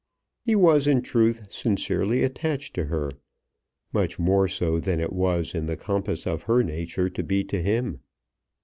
He was in truth sincerely attached to her; much more so than it was in the compass of her nature to be to him.